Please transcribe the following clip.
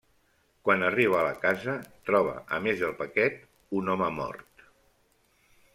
Quan arriba a la casa, troba a més del paquet, un home mort.